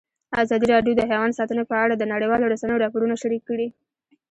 ازادي راډیو د حیوان ساتنه په اړه د نړیوالو رسنیو راپورونه شریک کړي.